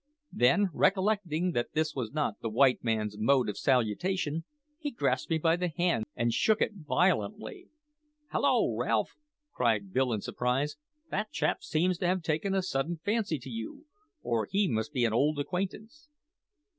Then, recollecting that this was not the white man's mode of salutation, he grasped me by the hand and shook it violently. "Hallo, Ralph!" cried Bill in surprise, "that chap seems to have taken a sudden fancy to you, or he must be an old acquaintance."